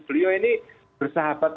beliau ini bersahabat